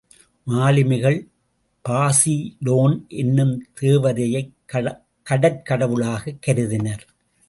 மாலுமிகள் பாசிடோன் என்னும் தேவதையைக் கடற்கடவுளாகக் கருதினர்.